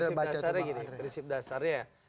jadi gini prinsip dasarnya gini prinsip dasarnya